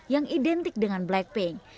yang identik dengan blackpink